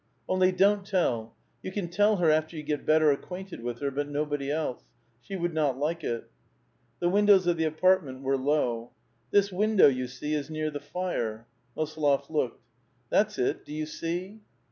''" Only don't tell! You can tell her after you get better acquainted with her ; but nobody else.* She would not like it. 99 99 The windows of the apartment were low. " This window, you see, is near the fire." Mosolof looked. "That's it; do you see?"